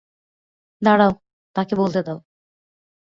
দাড়াও, তাকে বলতে দাও।